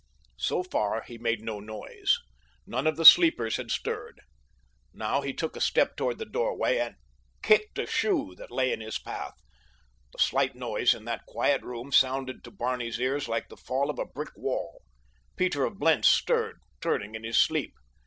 So far he made no noise. None of the sleepers had stirred. Now he took a step toward the doorway and—kicked a shoe that lay in his path. The slight noise in that quiet room sounded to Barney's ears like the fall of a brick wall. Peter of Blentz stirred, turning in his sleep.